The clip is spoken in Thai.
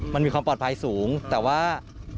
มันมีความปลอดภัยสูงแต่ว่า